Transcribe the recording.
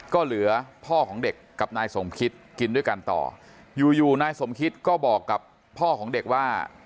ก็เหลือพ่อของเด็กกับนายสมคิดกินด้วยกันต่ออยู่อยู่นายสมคิตก็บอกกับพ่อของเด็กว่า